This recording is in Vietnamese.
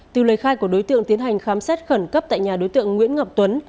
từ lời khai của đối tượng tiến hành khám xét khẩn cấp tại nhà đối tượng nguyễn ngọc tuấn